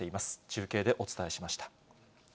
中継でお伝えしました。